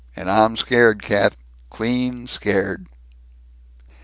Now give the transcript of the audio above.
And I'm scared, cat, clean scared."